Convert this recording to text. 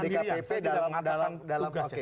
atau dgpp dalam tugasnya